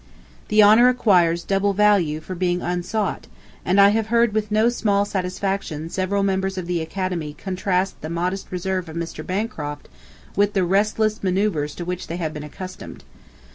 The honor acquires double value for being unsought, and I have heard with no small satisfaction several Members of the Academy contrast the modest reserve of Mr. Bancroft with the restless manoeuvres to which they have been accustomed.